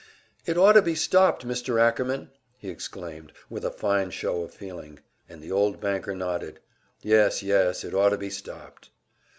"It ought to be stopped, Mr. Ackerman!" he exclaimed, with a fine show of feeling; and the old banker nodded. Yes, yes, it ought to be stopped!